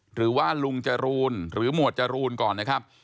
หรือว่าลุงจรูนหรือหมวดจรูนก่อนนะครับ